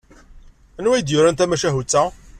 Anwa ay d-yuran tamacahut-a?